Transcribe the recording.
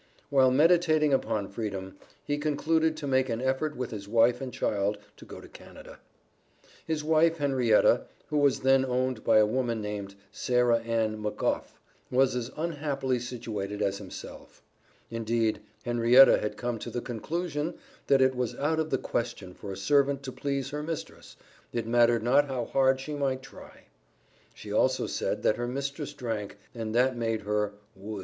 While meditating upon freedom, he concluded to make an effort with his wife and child to go to Canada. His wife, Henrietta, who was then owned by a woman named Sarah Ann McGough, was as unhappily situated as himself. Indeed Henrietta had come to the conclusion, that it was out of the question for a servant to please her mistress, it mattered not how hard she might try; she also said, that her mistress drank, and that made her "wus."